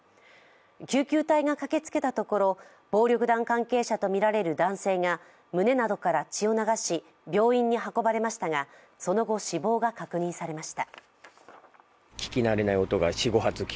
救急隊が駆けつけたところ暴力団関係者とみられる男性が胸などから血を流し病院に運ばれましたがその後、死亡が確認されました。